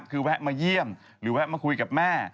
ครึ่งแวะเยี่ยมที่แวะเองมาคุยกับแม่